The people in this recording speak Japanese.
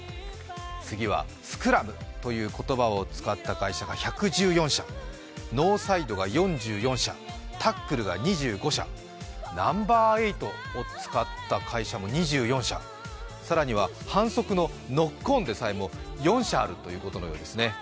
次は「スクラム」という言葉を使った会社が１１４社、ノーサイドが４４社、タックルが２５社、ナンバーエイトを使った会社も２４社、更には反則のノックオンでさえも４社あるということですね。